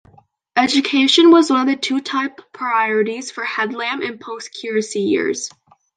Education was one of the two top priorities for Headlam in post-curacy years.